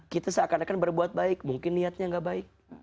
kita seakan akan berbuat baik mungkin niatnya gak baik